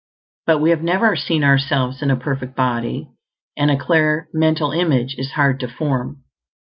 But we have never seen ourselves in a perfect body, and a clear mental image is hard to form.